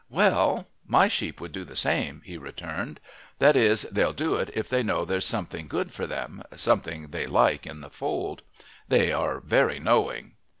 "Well, my sheep would do the same," he returned. "That is, they'll do it if they know there's something good for them something they like in the fold. They are very knowing."